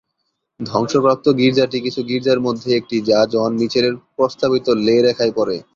ধ্বংসপ্রাপ্ত গির্জাটি কিছু গির্জার মধ্যে একটি যা জন মিচেলের প্রস্তাবিত লে রেখায় পড়ে।